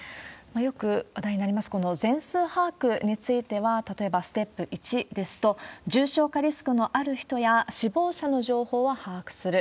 よく話題になります、この全数把握については、例えばステップ１ですと、重症化リスクのある人や、死亡者の情報は把握する。